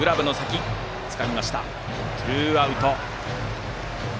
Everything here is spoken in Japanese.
ツーアウト。